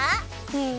うん。